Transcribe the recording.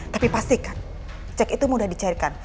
tapi pastikan cek itu mudah dicairkan